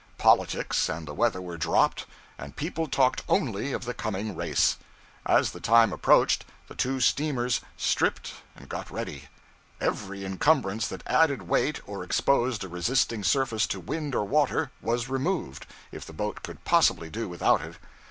Politics and the weather were dropped, and people talked only of the coming race. As the time approached, the two steamers 'stripped' and got ready. Every encumbrance that added weight, or exposed a resisting surface to wind or water, was removed, if the boat could possibly do without it.